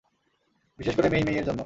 বিশেষ করে মেই-মেইয়ের জন্য।